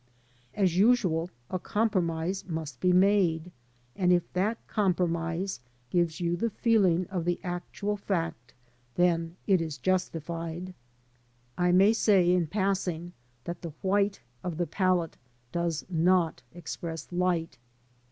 As usual, a compromise must be made, and if that compromise gives you the feeling of the actual fact, then it is justified. I may say in passing, that the white of the palette does not express light.